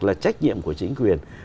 là trách nhiệm của chính quyền